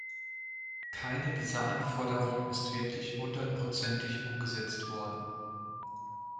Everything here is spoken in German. Keine dieser Anforderungen ist wirklich hundertprozentig umgesetzt worden.